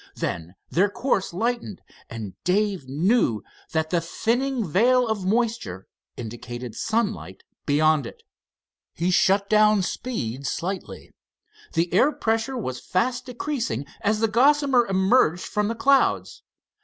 Then their course lightened, and Dave knew that the thinning veil of moisture indicated sunlight beyond it. He shut down speed slightly. The air pressure was fast decreasing as the Gossamer emerged from the clouds.